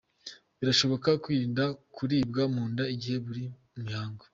Birashoboka kwirinda kuribwa mu nda igihe uri mu mihango